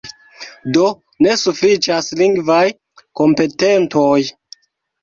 Do, ne sufiĉas lingvaj kompetentoj.